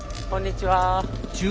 こんにちは。